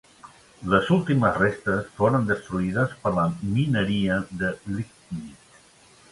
Les últimes restes foren destruïdes per la mineria de lignit.